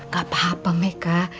gak apa apa meka